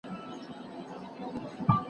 د بې وزلو حق ورکول واجب دي.